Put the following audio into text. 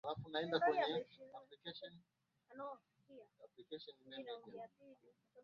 mradi kwa laser Scan swaths kubwa ya